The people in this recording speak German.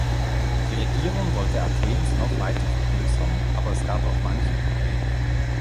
Die Regierung wollte Athens noch weiter vergrößern, aber es gab auch manche Probleme.